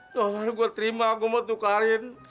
dua dua hari gue terima gue mau tukarin